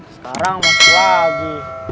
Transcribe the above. sekarang masuk lagi